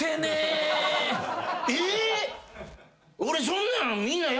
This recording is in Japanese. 俺そんなん